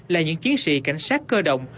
là những chiến sĩ cảnh sát cơ động